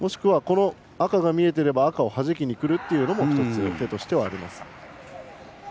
もしくは赤が見えていれば赤をはじきにくるのも１つ、手としてあります。